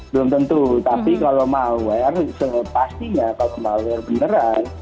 belum tentu tapi kalau malware sepastinya kalau malware beneran